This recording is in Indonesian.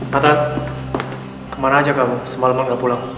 natan kemana aja kamu semalam gak pulang